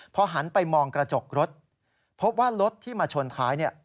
พอหันไปมองกระจกรถพบว่ารถที่มาชนท้ายเนี่ย